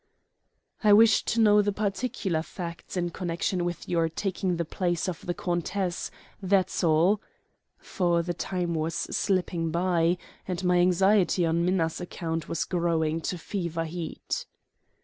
"I wish to know the particular facts in connection with your taking the place of the countess, that's all," for the time was slipping by and my anxiety on Minna's account was growing to fever heat.